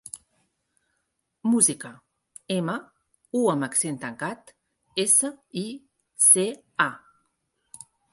Música: ema, u amb accent tancat, essa, i, ce, a.